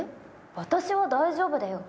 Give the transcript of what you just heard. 私は大丈夫だよ！